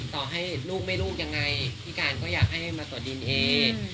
ต่อให้ลูกไม่ลูกยังไงพี่การก็อยากให้มาตรวจดีเอนเอ